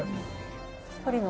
トリノ